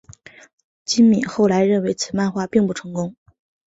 今敏后来认为此漫画并不成功。